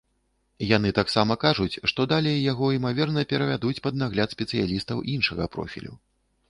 Яны таксама кажуць, што далей яго, імаверна, перавядуць пад нагляд спецыялістаў іншага профілю.